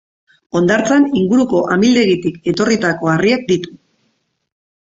Hondartzan inguruko amildegitik etorritako harriak ditu.